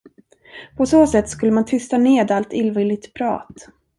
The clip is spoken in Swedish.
På så sätt skulle man tysta ned allt illvilligt prat.